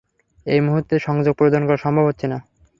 এই মুহূর্তে সংযোগ প্রদান করা সম্ভব হচ্ছে না।